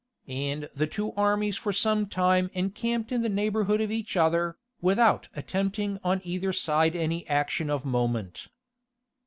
And the two armies for some time encamped in the neighborhood of each other, without attempting on either side any action of moment.